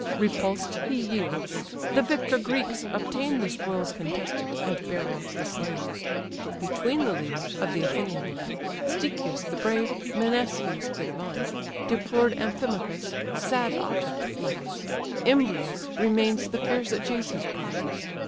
Repulsed he yields; the victor Greeks obtain The spoils contested, and bear off the slain. Between the leaders of the Athenian line, (Stichius the brave, Menestheus the divine,) Deplored Amphimachus, sad object! lies; Imbrius remains the fierce Ajaces' prize.